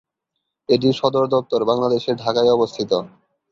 এটির সদরদপ্তর বাংলাদেশের ঢাকায় অবস্থিত।